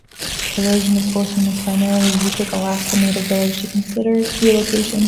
Erosion is forcing the primarily Yupik Alaska Native village to consider relocation.